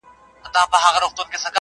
زه خو یارانو نامعلوم آدرس ته ودرېدم .